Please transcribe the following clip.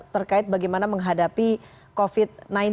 terkait bagaimana menghasilkan isolasi mendiri